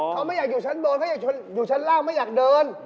เขาไม่อยากอยู่ชั้นบนเขาอยากอยู่ชั้นล่างไม่อยากเดิน